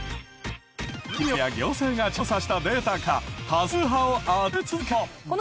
企業や行政が調査したデータから多数派を当て続けろ。